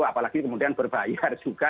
apalagi kemudian berbayar juga